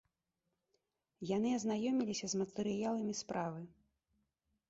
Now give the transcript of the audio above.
Яны азнаёміліся з матэрыяламі справы.